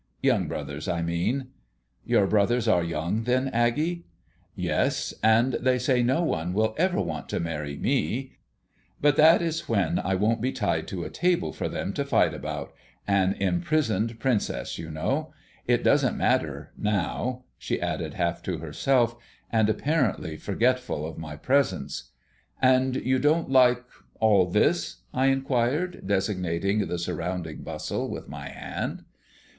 Young brothers, I mean." "Your brothers are young, then, Aggie?" "Yes; and they say no one will ever want to marry me; but that is when I won't be tied to a table for them to fight about an imprisoned princess, you know. It doesn't matter now," she added, half to herself, and apparently forgetful of my presence. "And you don't like all this?" I inquired, designating the surrounding bustle with my hand.